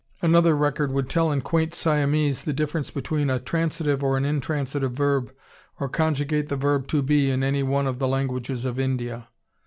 Another record would tell in quaint Siamese the difference between a transitive or an intransitive verb, or conjugate the verb "to be" in any one of the languages of India.